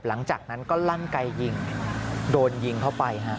หลังจากนั้นก็ลั่นไกยิงโดนยิงเข้าไปฮะ